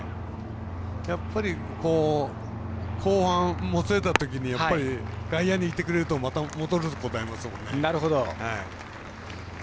やっぱり後半、もつれたときに外野にいてくれるとまた戻ることありますもんね。